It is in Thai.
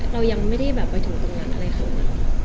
เรายังไม่ได้ไปถึงตรงนั้นอะไรครับ